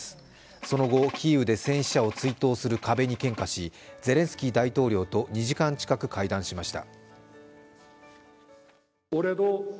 その後、キーウで戦死者を追悼する壁に献花しゼレンスキー大統領と２時間近く会談しました。